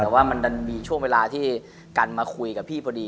แต่ว่ามันดันมีช่วงเวลาที่กันมาคุยกับพี่พอดี